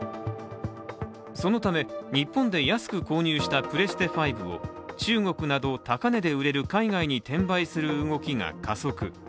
そのため日本で安く購入したプレステ５を中国など高値で売れる海外に転売する動きが加速。